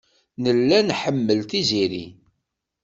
Nella nḥemmel Tiziri.